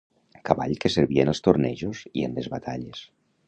Cavall que servia en els tornejos i en les batalles